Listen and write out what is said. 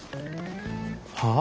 はあ？